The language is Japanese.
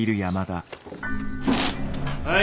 はい。